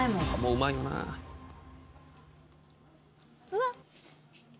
うわっ！